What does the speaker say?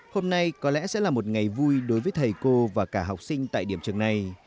hôm nay có lẽ sẽ là một ngày vui đối với thầy cô và cả học sinh tại điểm trường này